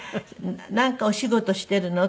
「なんかお仕事してるの？」